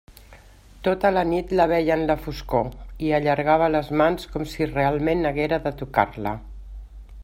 Tota la nit la veia en la foscor, i allargava les mans com si realment haguera de tocar-la.